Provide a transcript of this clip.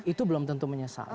itu belum tentu menyesal